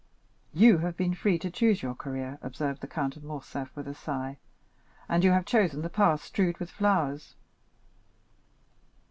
"You have been free to choose your career," observed the Count of Morcerf, with a sigh; "and you have chosen the path strewed with flowers."